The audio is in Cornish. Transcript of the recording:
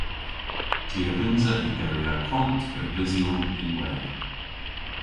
Ty a vynnsa ygeri akont erbysyon ynwedh.